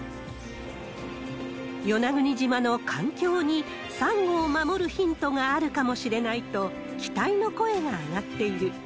与那国島の環境にサンゴを守るヒントがあるかもしれないと、期待の声が上がっている。